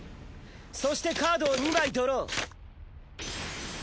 そしてカードを２枚ドロー。